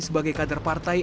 sebagai kader partai